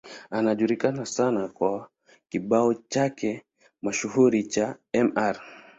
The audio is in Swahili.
Anajulikana sana kwa kibao chake mashuhuri cha Mr.